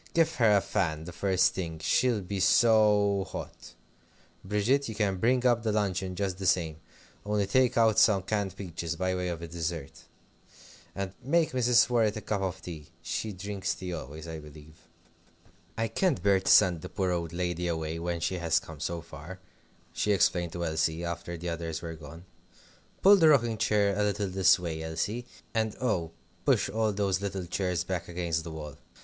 give her a fan the first thing. She'll be so hot. Bridget, you can bring up the luncheon just the same, only take out some canned peaches, by way of a dessert, and make Mrs. Worrett a cup of tea. She drinks tea always, I believe. "I can't bear to send the poor old lady away when she has come so far," she explained to Elsie, after the others were gone. "Pull the rocking chair a little this way, Elsie. And oh! push all those little chairs back against the wall.